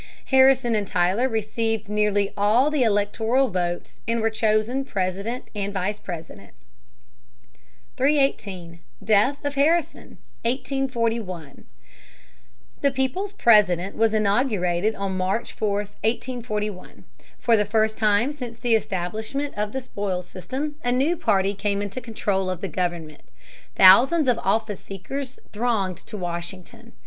Harrison and Tyler received nearly all the electoral votes and were chosen President and Vice President. [Sidenote: Death of Harrison, 1841.] 318. Death of Harrison, 1841. The people's President was inaugurated on March 4, 1841. For the first time since the establishment of the Spoils System a new party came into control of the government. Thousands of office seekers thronged to Washington.